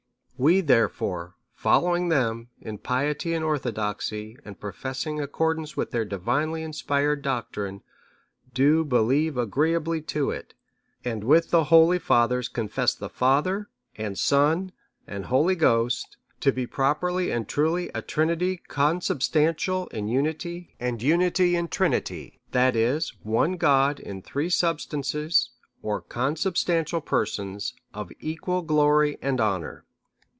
We, therefore, following them, in piety and orthodoxy, and professing accordance with their divinely inspired doctrine, do believe agreeably to it, and with the holy fathers confess the Father, and Son, and Holy Ghost, to be properly and truly a Trinity consubstantial in Unity, and Unity in Trinity, that is, one God in three Subsistences or consubstantial persons, of equal glory and honour."